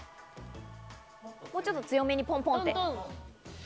もうちょっと強めにポンポンと。